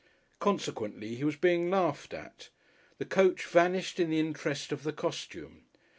Consequently he was being laughed at. The coach vanished in the interest of the costume.